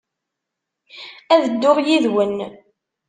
Ad dduɣ yid-wen.